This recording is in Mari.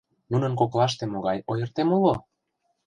Нунын коклаште могай ойыртем уло?